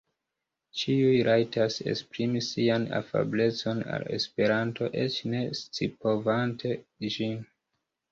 Ĉiuj rajtas esprimi sian afablecon al Esperanto eĉ ne scipovante ĝin.